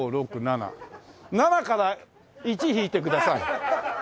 ７から１引いてください。